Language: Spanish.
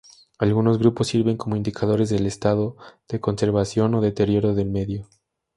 Algunos grupos sirven como indicadores del estado de conservación o deterioro del medio.